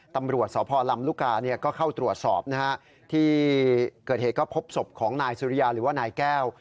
ตำรวจสพลำลูกกาก็เข้าตรวจสอบนะฮะที่เกิดเหตุก็พบศพของนายสุริยาหรือว่านายแก้ว